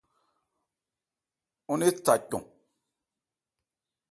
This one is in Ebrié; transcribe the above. Ɔ́n né tha cɔn.